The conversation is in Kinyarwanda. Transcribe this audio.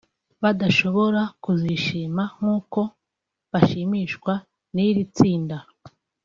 badashobora kuzishima nk'uko bashimishwa n'iri tsinda